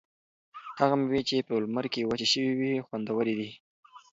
هغه مېوې چې په لمر کې وچې شوي وي خوندورې دي.